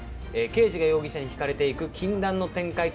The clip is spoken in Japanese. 刑事が容疑者に引かれていく禁断の展開となっております。